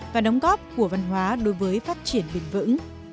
và đóng góp của văn hóa đối với phát triển bền vững